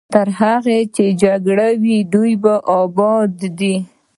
تر هغې چې جګړه وي دوی اباد دي.